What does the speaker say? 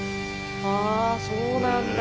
あそうなんだ。